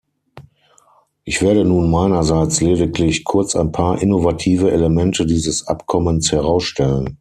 Ich werde nun meinerseits lediglich kurz ein paar innovative Elemente dieses Abkommens herausstellen.